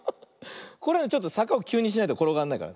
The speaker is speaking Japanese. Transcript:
これちょっとさかをきゅうにしないところがんないから。